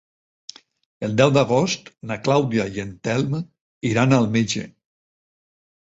El deu d'agost na Clàudia i en Telm iran al metge.